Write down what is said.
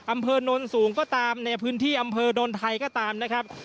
อำเภอโน้นสูงก็ตามในพื้นที่อำเภอดนไทยก็ตามนะครับ